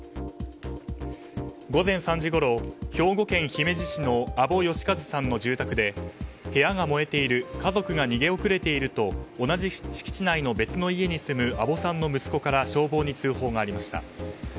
午前３時ごろ、兵庫県姫路市の阿保義一さんの住宅で部屋が燃えている家族が逃げ遅れていると同じ敷地内の別の家に住む阿保さんの息子から消防に通報がありました。